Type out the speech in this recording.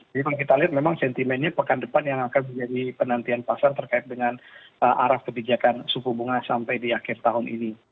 jadi kalau kita lihat memang sentimennya pekan depan yang akan menjadi penantian pasar terkait dengan arah kebijakan suku bunga sampai di akhir tahun ini